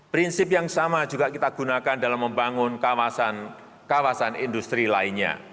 prinsip yang sama juga kita gunakan dalam membangun kawasan industri lainnya